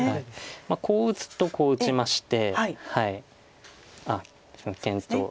こう打つとこう打ちまして。